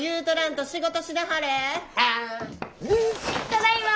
ただいま。